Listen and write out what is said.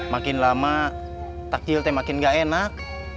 makin lama takjil teh makin gak enak